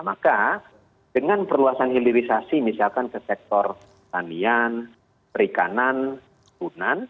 maka dengan perluasan hilirisasi misalkan ke sektor tanian perikanan punan